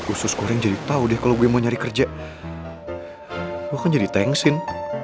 usus goreng jadi tau deh kalo gue mau nyari kerja gue kan jadi tengsin